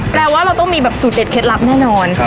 แปลว่าเราต้องมีสุดเด็ดเข็ดลับแน่นอน